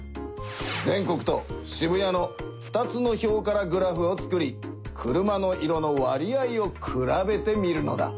全国と渋谷の２つの表からグラフを作り車の色の割合を比べてみるのだ。